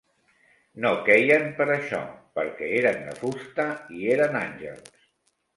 No queien per això: perquè eren de fusta, i eren àngels.